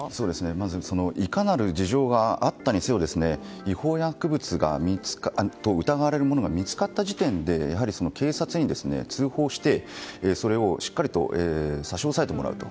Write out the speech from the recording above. まず、いかなる事情があったにせよ違法薬物と疑われるものが見つかった時点でやはり警察に通報して、それをしっかりと差し押さえてもらうと。